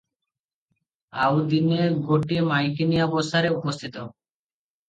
ଆଉ ଦିନେ ଗୋଟାଏ ମାଇକିନିଆ ବସାରେ ଉପସ୍ଥିତ ।